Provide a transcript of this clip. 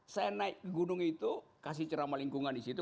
saya naik gunung itu kasih ceramah lingkungan di situ